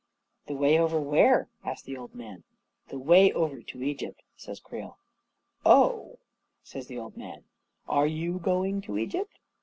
"The way over where ?" asked the old man. " The way over to Egypt," says Creel. " Oh," says the old man, " are you going to Egypt?"